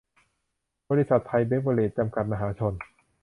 บริษัท ไทยเบฟเวอเรจ จำกัด มหาชน